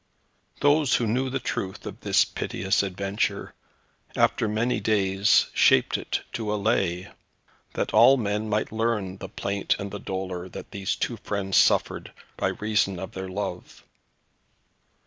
Those who knew the truth of this piteous adventure, after many days shaped it to a Lay, that all men might learn the plaint and the dolour that these two friends suffered by reason of their love.